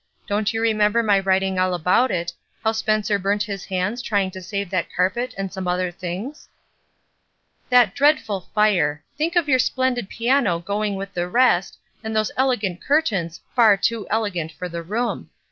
Don't you remember my writing all about it — how Spencer burnt his hands trying to save that carpet and some other things?" "That dreadful fire! Think of your splendid piano going with the rest, and those elegant curtains, far too elegant for the room.